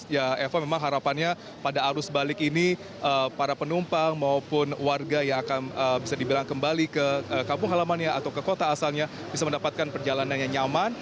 ya eva memang harapannya pada arus balik ini para penumpang maupun warga yang akan bisa dibilang kembali ke kampung halamannya atau ke kota asalnya bisa mendapatkan perjalanan yang nyaman